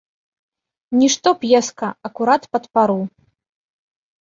Нішто п'еска, акурат пад пару.